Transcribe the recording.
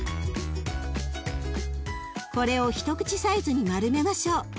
これを一口サイズに丸めましょう。